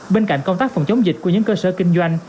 bên cạnh công tác phòng chống dịch của những cơ sở kinh doanh